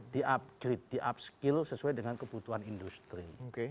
di upgrade di upskill sesuai dengan kebutuhan industri